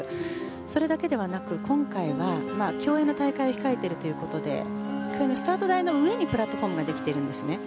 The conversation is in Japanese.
それだけではなく今回は競泳の大会を控えているということで競泳のスタート台の上にプラットフォームができてるんですね。